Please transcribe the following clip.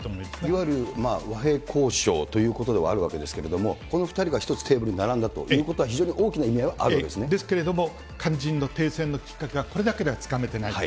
いわゆる和平交渉ということではあるわけですけれども、この２人がテーブルに並んだということは、非常に大きな意味合いですけれども、肝心の停戦のきっかけがこれだけではつかめてないと。